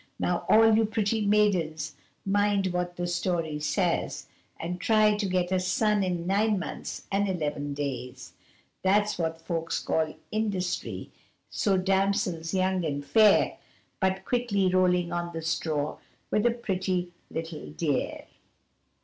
Now all you pretty maidens, mind what the story says, And try to get a son in nine months and eleven days, That's what folks call industry, so damsels young and fair, Be quickly rolling on the straw with a pretty little dear.